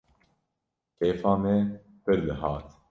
Kêfa me pir dihat